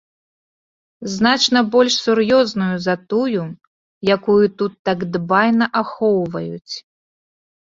Значна больш сур'ёзную за тую, якую тут так дбайна ахоўваюць.